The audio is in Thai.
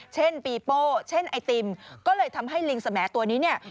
เช่นปีโป้เช่นไอติมก็เลยทำให้ลิงสแมตัวนี้เนี่ย